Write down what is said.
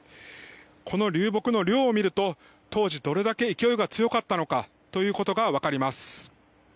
この流木の量を見ると当時、どれだけ勢いが強かったのかというのが分かります。